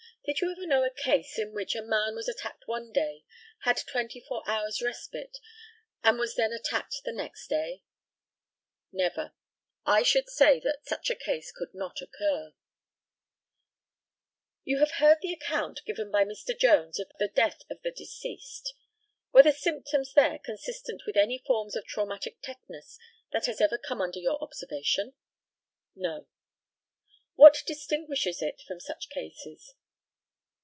Did you ever know a case in which, a man was attacked one day, had twenty four hours' respite, and was then attacked the next day? Never. I should say that such a case could not occur. You have heard the account given by Mr. Jones of the death of the deceased, were the symptoms there consistent with any forms of traumatic tetanus that has ever come under your observation? No. What distinguishes it from such cases?